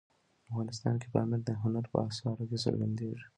افغانستان کې پامیر د هنر په اثارو کې څرګندېږي.